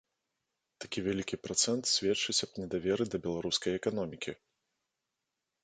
Такі вялікі працэнт сведчыць аб недаверы да беларускай эканомікі.